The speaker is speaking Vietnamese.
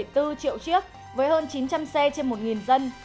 triệu chiếc với hơn chín trăm linh xe trên một dân